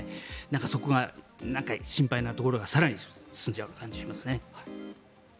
そこが心配なところが更に進んじゃう感じがしますね。